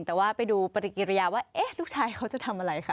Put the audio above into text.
แต่ว่าไปดูปฏิกิริยาว่าเอ๊ะลูกชายเขาจะทำอะไรคะ